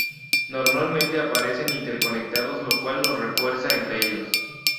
Normalmente aparecen interconectados lo cual los refuerza entre ellos.